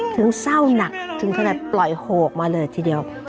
เศร้าหนักถึงขนาดปล่อยโหกมาเลยทีเดียว